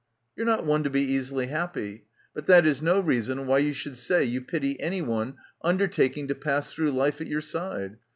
"You are not one to be easily happy. But that is no reason why you should say you pity anyone undertaking to pass through life at your side.